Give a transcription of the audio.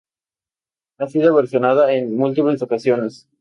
Ha sido versionada en múltiples ocasiones.